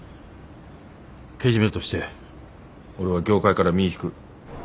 けじめとして俺は業界から身ぃ引く。